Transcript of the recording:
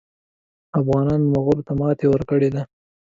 افغانانو مغولو ته ماته ورکړې ده.